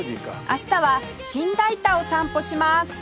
明日は新代田を散歩します